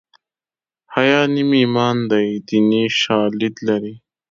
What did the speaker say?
حیا نیم ایمان دی دیني شالید لري